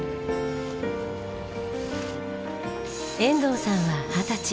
遠藤さんは二十歳。